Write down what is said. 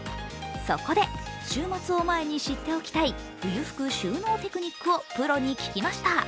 そこで週末を前に知っておきたい、冬服収納テクニックをプロに聞きました。